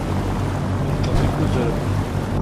Iṭṭeḍ-ik uzrem.